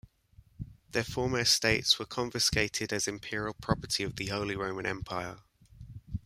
Their former estates were confiscated as imperial property of the Holy Roman Empire.